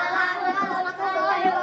assalamualaikum warahmatullahi wabarakatuh